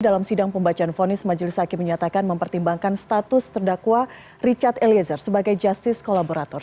dalam sidang pembacaan fonis majelis hakim menyatakan mempertimbangkan status terdakwa richard eliezer sebagai justice kolaborator